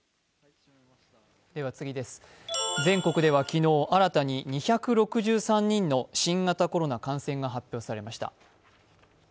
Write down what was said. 全国では昨日新たに２６３人の新型コロナ感染が発表されました。